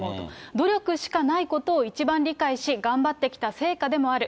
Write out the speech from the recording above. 努力しかないことを一番理解し、頑張ってきた成果でもある。